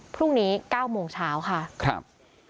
พรุ่งนี้๙โมงเช้าค่ะครับ